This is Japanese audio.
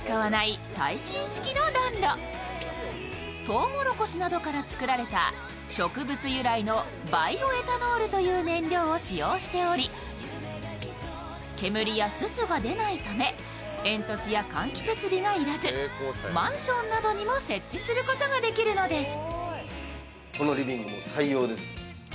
とうもろこしなどから作られた植物由来のバイオエタノールという燃料を使用しており、煙やすすが出ないため、煙突や換気設備が要らずマンションなどにも設置することができるのです。